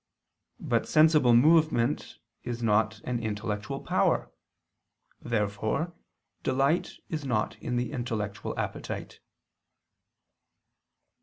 But sensible movement is not in an intellectual power. Therefore delight is not in the intellectual appetite.